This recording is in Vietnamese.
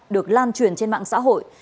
được lan truyền trên mạng xã hội